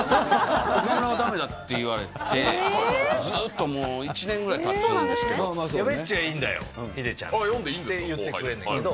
岡村はだめだって言われて、ずっともう１年ぐらいたつんですやべっちはいいんだよ、ヒデちゃんって言ってくれるんやけど。